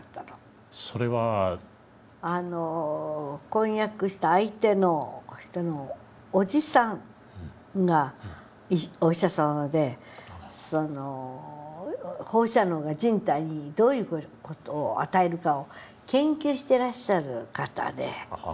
婚約した相手の人のおじさんがお医者様で放射能が人体にどういう事を与えるかを研究してらっしゃる方で。